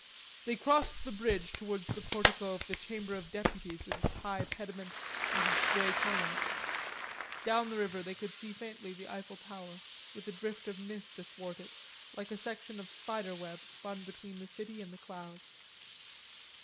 They crossed the bridge towards the portico of the Chamber of Deputies with its high pediment and its grey columns. Down the river they could see faintly the Eiffel Tower with a drift of mist athwart it, like a section of spider web spun between the city and the clouds.